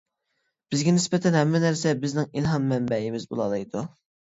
بىزگە نىسبەتەن ھەممە نەرسە بىزنىڭ ئىلھام مەنبەيىمىز بولالايدۇ.